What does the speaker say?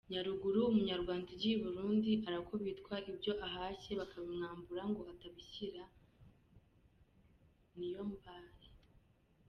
Nyaruguru: Umunyarwanda ugiye I Burundi, arakubitwa ibyo ahashye bakabimwambura ngo atabishyira Niyombare.